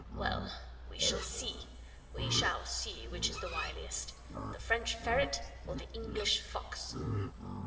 Well, we shall see! We shall see which is the wiliest the French ferret or the English fox."